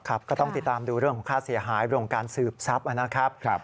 ก็ต้องติดตามดูเรื่องของค่าเสียหายเรื่องการสืบทรัพย์นะครับ